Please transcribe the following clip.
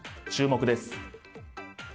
注目です。